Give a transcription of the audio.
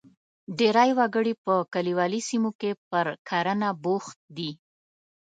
ډېری وګړي په کلیوالي سیمو کې پر کرنه بوخت دي.